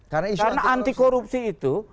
karena anti korupsi itu